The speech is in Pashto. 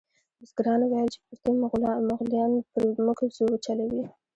بزګرانو ویل چې پردي مغولیان پر موږ زور چلوي.